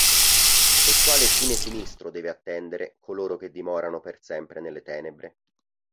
E quale fine sinistro deve attendere coloro che dimorano per sempre nelle tenebre?